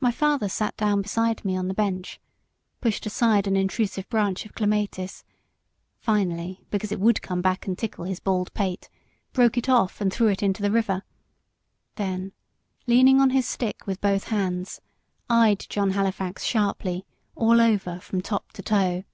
My father sat down beside me on the bench pushed aside an intrusive branch of clematis finally, because it would come back and tickle his bald pate, broke it off, and threw it into the river: then, leaning on his stick with both hands, eyed John Halifax sharply, all over, from top to toe.